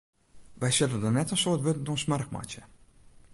Wy sille der net in soad wurden oan smoarch meitsje.